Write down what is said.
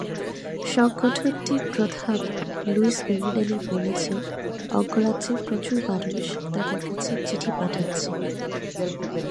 সংগঠনটির প্রধান Louis Marinelli বলেছেন, অঙ্গরাজ্যের প্রচুর মানুষ তাঁদের কাছে চিঠি পাঠাচ্ছেন।